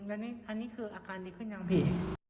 อันนี้คืออาการดีขึ้นยังพี่